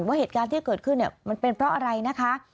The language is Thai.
ว่าเหตุการณ์ที่เกิดขึ้นมันเป็นเพราะอะไรนะคะ